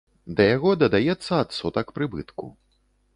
Да яго дадаецца адсотак прыбытку.